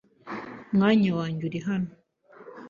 Umwanya wanjye uri hano.